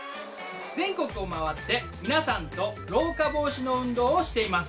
全国を回って皆さんと老化防止の運動をしています。